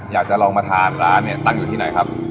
อยากจะลองมาทานร้านเนี่ยตั้งอยู่ที่ไหนครับ